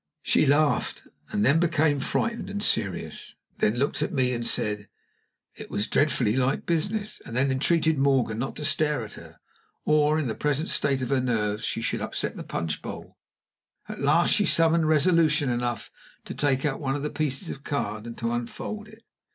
She laughed; then suddenly became frightened and serious; then looked at me, and said, "It was dreadfully like business;" and then entreated Morgan not to stare at her, or, in the present state of her nerves, she should upset the punch bowl. At last she summoned resolution enough to take out one of the pieces of card and to unfold it.